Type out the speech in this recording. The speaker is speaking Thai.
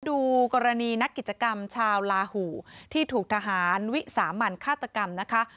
ดูกรณีนักกิจกรรมชาวลาหูที่ถูกทหารวิสามันฆาตกรรมนะคะ